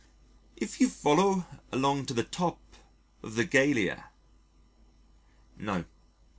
"If you follow along to the top of the galea," No.